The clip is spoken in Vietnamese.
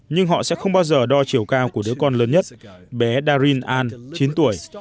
nhưng họ sẽ không bao giờ đo chiều cao của đứa con lớn nhất bé darin ann chín tuổi